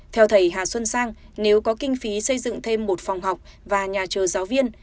theo thầy hà xuân sang nếu có kinh phí xây dựng thêm một phòng học và nhà chờ giáo viên